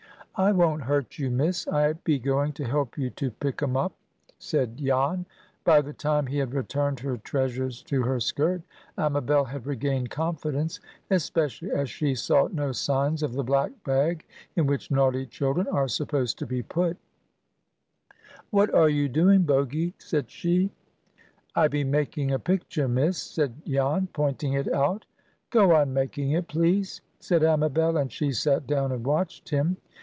"I won't hurt you, Miss. I be going to help you to pick 'em up," said Jan. By the time he had returned her treasures to her skirt, Amabel had regained confidence, especially as she saw no signs of the black bag in which naughty children are supposed to be put. "What are you doing, Bogy?" said she. [Picture: "What are you doing, Bogy?" said she] "I be making a picture, Miss," said Jan, pointing it out. "Go on making it, please," said Amabel; and she sat down and watched him.